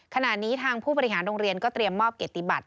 ขณะนี้ทางผู้บริหารโรงเรียนก็เตรียมมอบเกติบัติ